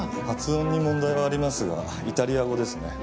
発音に問題はありますがイタリア語ですね。